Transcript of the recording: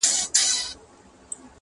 چي کوټې ته د خاوند سو ور دننه!.